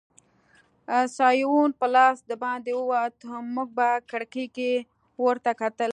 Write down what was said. سایوان په لاس دباندې ووت، موږ په کړکۍ کې ورته کتل.